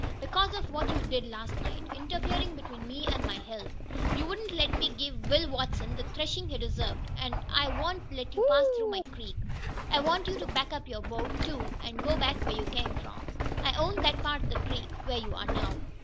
"Because of what you did last night interferin' between me and my help. You wouldn't let me give Will Watson the threshin' he deserved, an' I won't let you pass through my creek. I want you to back up your boat, too, and go back where you come from. I own that part of the creek where you are now."